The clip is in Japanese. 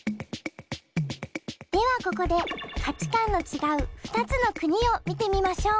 ではここで価値観の違う２つの国を見てみましょう。